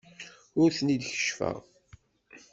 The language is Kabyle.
Ur ten-id-keccfeɣ.